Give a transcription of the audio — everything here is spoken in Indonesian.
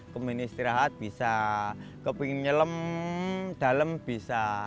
kemudian istirahat bisa kepingin nyelam dalem bisa